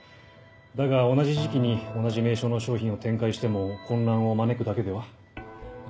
だが同じ時期に同じ名称の商品を展開しても混乱を招くだけでは？